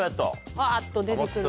ワっと出て来る。